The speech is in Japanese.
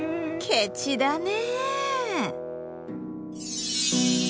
ケチだね。